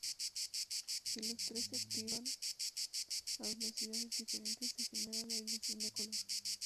Si los tres se activan a velocidades diferentes, se genera la ilusión de color.